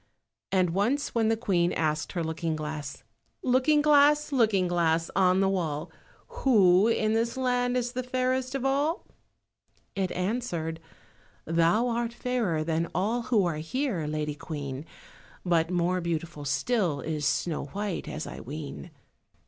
And once when the Queen asked her looking glass— "Looking glass, Looking glass, on the wall, Who in this land is the fairest of all?" it answered— "Thou art fairer than all who are here, Lady Queen." But more beautiful still is Snow white, as I ween."